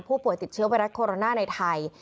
ผู้ป่วยติดเชื้อไวรัสโคโรนาในไทย